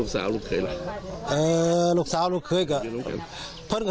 สัตว์ลูกสาวลูกเคยเหรอ